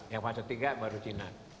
yang fase tiga baru china